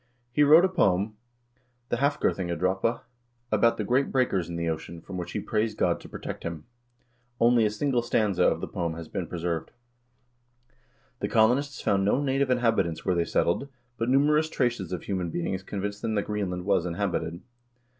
He wrote a poem, the " Hafgeromgadrapa," about the great breakers in the ocean, from which he prays God to protect him. Only a single stanza of the poem has been preserved.2 The colonists found no native inhabitants where they settled, but numerous traces of human beings convinced them that Greenland was inhabited.